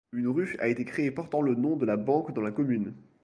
Une rue a été créé portant le nom de la banque dans la commune.